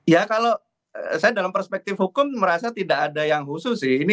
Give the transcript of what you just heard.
ya kalau saya dalam perspektif hukum merasa tidak ada yang khusus sih